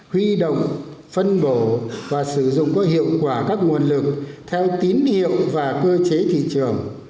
huy động phân bổ và sử dụng có hiệu quả các nguồn lực theo tín hiệu và cơ chế thị trường